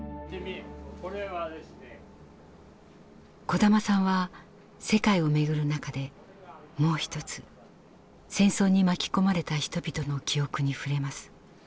小玉さんは世界を巡る中でもう一つ戦争に巻き込まれた人々の記憶に触れます。